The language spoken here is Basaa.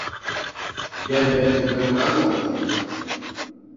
Ñgembe ñgembe man loñ ini.